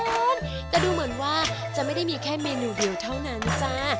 แต่ดูเหมือนว่าจะไม่ได้มีแค่เมนูเดียวเท่านั้นจ้า